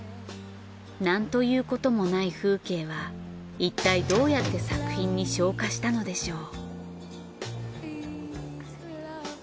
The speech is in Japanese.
なんということもない風景はいったいどうやって作品に昇華したのでしょう。